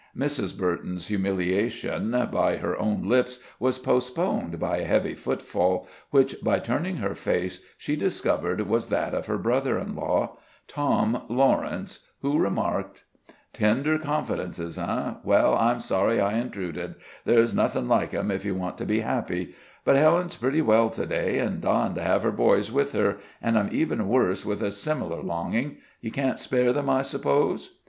Mrs. Burton's humiliation by her own lips was postponed by a heavy footfall, which, by turning her face, she discovered was that of her brother in law, Tom Lawrence, who remarked: "Tender confidences, eh? Well, I'm sorry I intruded. There's nothing like them if you want to be happy. But Helen's pretty well to day, and dying to have her boys with her, and I'm even worse with a similar longing. You can't spare them, I suppose?"